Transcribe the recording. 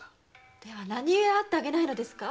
では何故会ってあげないのですか